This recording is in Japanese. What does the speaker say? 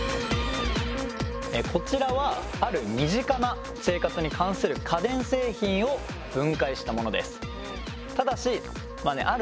こちらはある身近な生活に関する家電製品を分解したものです。